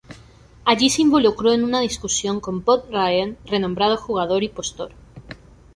Allí se involucró en una discusión con Bud Ryan, renombrado jugador y postor.